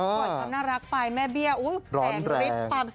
เตรียมความน่ารักไปแม่เบี้ยแสที่ร้อนแรง